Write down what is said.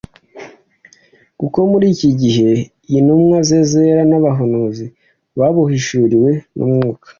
nk’uko muri iki gihe intumwa ze zera n’abahanuzi babuhishuriwe n’Umwuka: